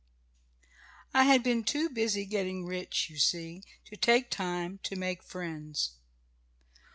I had been too busy getting rich, you see, to take time to make friends.